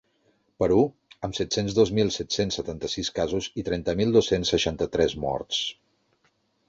Perú, amb set-cents dos mil set-cents setanta-sis casos i trenta mil dos-cents seixanta-tres morts.